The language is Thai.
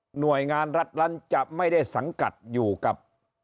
หน่วยงานรัฐนั้นจะไม่ได้สังกัดอยู่กับ